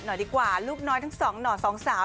หน่อยดีกว่าลูกน้อยทั้งสองหน่อสองสาว